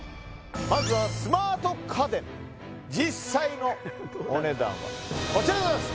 まずはスマート家電実際のお値段はこちらでございます